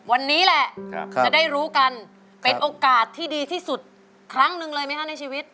วันนี้แหละจะได้รู้กันเป็นโอกาสที่ดีที่สุดครั้งหนึ่งเลยไหมคะในชีวิต